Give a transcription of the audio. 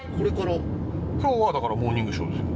今日はだから『モーニングショー』ですよ。